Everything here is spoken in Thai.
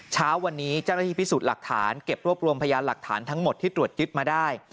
เช้าวันนี้เจ้าหน้าที่พิสูจน์หลักฐานเก็บรวบรวมพยานหลักฐานทั้งหมดที่ตรวจยึดมาได้